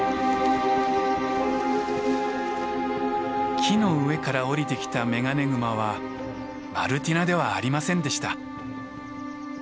木の上から下りてきたメガネグマはマルティナではありませんでした。